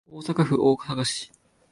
大阪府大阪市